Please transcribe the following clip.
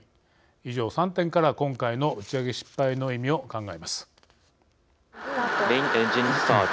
以上３点から今回の打ち上げ失敗の意味を考えます。